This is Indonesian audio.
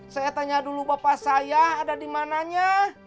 saya tanya dulu bapak saya ada di mana nya